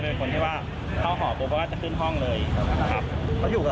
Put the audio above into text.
เดี๋ยวก็คงจะต้องไปผ่าชนะสูตร